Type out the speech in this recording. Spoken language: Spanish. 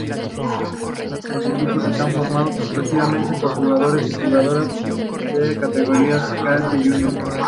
Los equipos están formados exclusivamente por jugadores y jugadoras de categoría "cadete" y junior.